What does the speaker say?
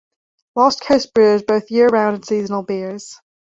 Lost Coast brews both year-round and seasonal beers.